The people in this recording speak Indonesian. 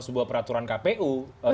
sebuah peraturan kpu